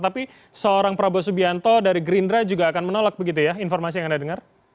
tapi seorang prabowo subianto dari gerindra juga akan menolak begitu ya informasi yang anda dengar